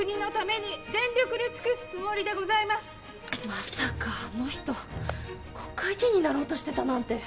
まさかあの人国会議員になろうとしてたなんて。